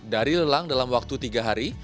dari lelang dalam waktu tiga hari